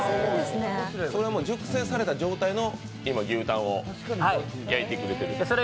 それは熟成された状態の牛たんを焼いてくれている。